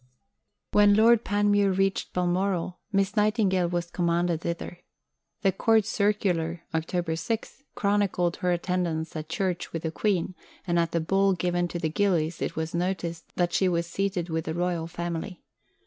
When Lord Panmure reached Balmoral, Miss Nightingale was commanded thither. The Court Circular (Oct. 6) chronicled her attendance at church with the Queen, and at the ball given to the gillies it was noticed that she was seated with the Royal Family.